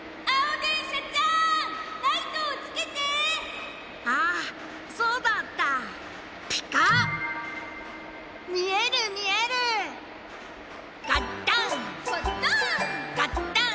ああそうだった！